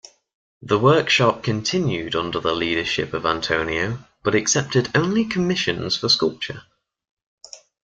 The workshop continued under the leadership of Antonio but accepted only commissions for sculpture.